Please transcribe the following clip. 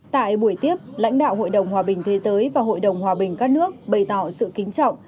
tại buổi tiếp lãnh đạo hội đồng hòa bình thế giới và hội đồng hòa bình các nước bày tỏ sự kính trọng